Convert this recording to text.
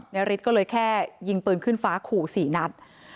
ฤทธิ์ก็เลยแค่ยิงปืนขึ้นฟ้าขู่๔นัด